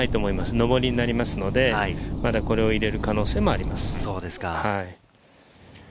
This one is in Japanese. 上りになりますので、まだこれを入れる可能性もあります。